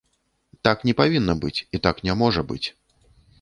Так не павінна быць, і так не можа быць.